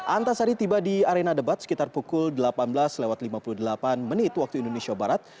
antasari tiba di arena debat sekitar pukul delapan belas lewat lima puluh delapan menit waktu indonesia barat